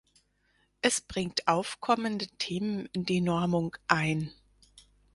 Es bringt aufkommende Themen in die Normung ein.